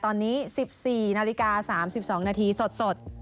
ตอนนี้๑๔นาฬิกา๓๒นาทีสด